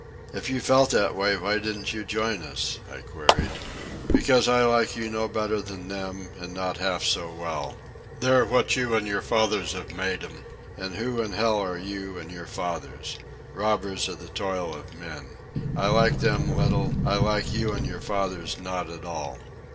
"If you felt that way, why didn't you join us?" I queried. "Because I like you no better than them an' not half so well. They are what you an' your fathers have made 'em. An' who in hell are you an' your fathers? Robbers of the toil of men. I like them little. I like you and your fathers not at all.